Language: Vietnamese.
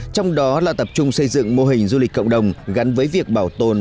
trong đó là tập trung xây dựng mô hình du lịch cộng đồng gắn với việc bảo tồn